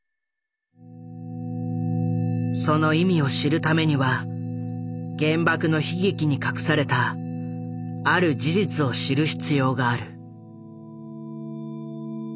その意味を知るためには原爆の悲劇に隠されたある事実を知る必要がある。